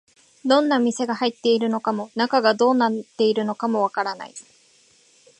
どんな店が入っているのかも、中がどうなっているのかもわからない